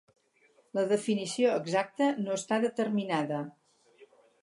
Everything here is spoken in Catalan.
La definició exacta no està determinada.